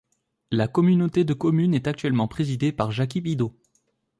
La communauté de communes est actuellement présidée par Jacky Bidot.